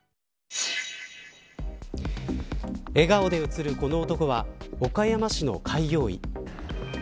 笑顔で映るこの男は岡山市の開業医。